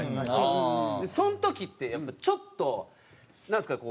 その時ってやっぱりちょっとなんですかこう。